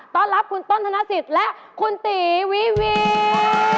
ต้อนรับคุณต้นธนาศิษย์และคุณตีวีวีด